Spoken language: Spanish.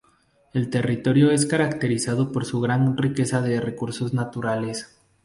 El territorio es caracterizado por su gran riqueza de recursos naturales.